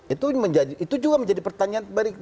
itu juga menjadi pertanyaan dari para kaum kaum